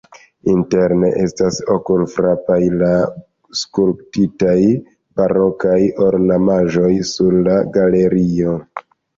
Interne estas okulfrapaj la skulptitaj barokaj ornamaĵoj sur la galerio.